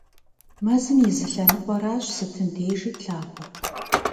Мазэм и зы лъэныкъуэращ сытым дежи тлъагъур.